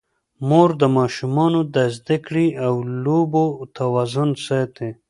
مور د ماشومانو د زده کړې او لوبو توازن ساتي.